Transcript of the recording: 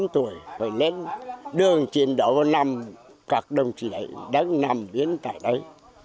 một mươi sáu một mươi bảy một mươi tám tuổi hồi nét đường chiến đấu vào năm các đồng chí đại đang nằm biến tại đấy